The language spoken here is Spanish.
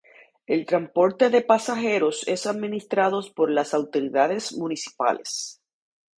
El transporte de pasajeros es administrado por las autoridades municipales.